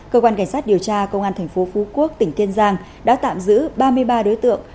cơ quan cảnh sát điều tra công an tp phú quốc tỉnh kiên giang đã tạm giữ ba mươi ba đối tượng